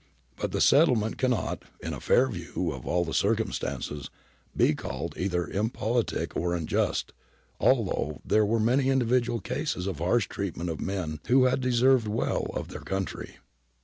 But the settlement cannot, in a fair review of all the circumstances, be called either impolitic or unjust, although there were many individual cases of harsh treatment of men who had deserved well of their country.